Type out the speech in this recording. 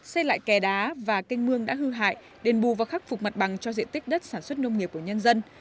xây lại kè đá và canh mương đã hư hại đền bù và khắc phục mặt bằng cho diện tích đất sản xuất nông nghiệp của nhân dân